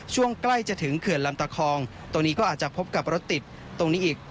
ใกล้จะถึงเขื่อนลำตะคองตรงนี้ก็อาจจะพบกับรถติดตรงนี้อีก